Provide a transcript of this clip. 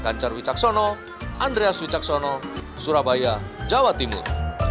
kancar wicaksono andreas wicaksono surabaya jawa timur